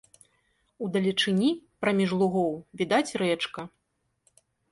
Удалечыні, праміж лугоў, відаць рэчка.